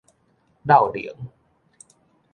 落龍